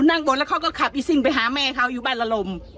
นั่งบนแล้วเขาก็ขับอีซิ่งไปหาแม่เขาอยู่บ้านละลม